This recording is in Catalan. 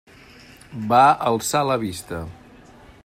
Va alçar la vista.